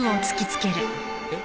えっ？